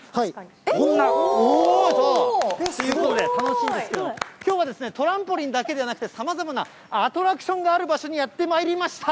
こんな、ということで楽しいんですけど、きょうはトランポリンだけではなくて、さまざまなアトラクションがある場所にやってまいりました。